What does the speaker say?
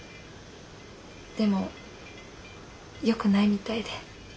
でもよくないみたいで。